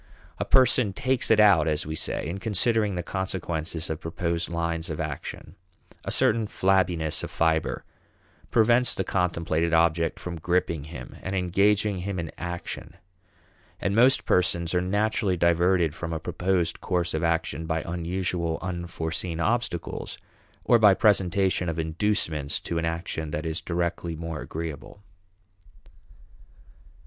A person "takes it out" as we say in considering the consequences of proposed lines of action. A certain flabbiness of fiber prevents the contemplated object from gripping him and engaging him in action. And most persons are naturally diverted from a proposed course of action by unusual, unforeseen obstacles, or by presentation of inducements to an action that is directly more agreeable.